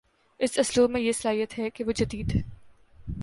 اس اسلوب میں یہ صلاحیت ہے کہ وہ جدید